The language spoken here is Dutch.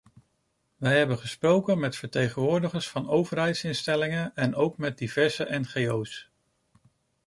Wij hebben gesproken met vertegenwoordigers van overheidsinstellingen en ook met diverse ngo’s.